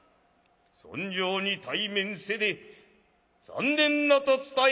『存生に対面せで残念なと伝え』。